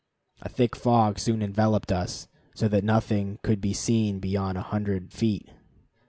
A thick fog soon enveloped us, so that nothing could be seen beyond a hundred feet.